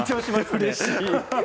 うれしい。